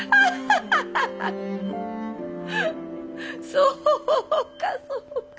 そうかそうか。